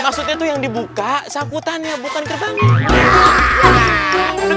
maksudnya tuh yang dibuka sangkutannya bukan gerbangnya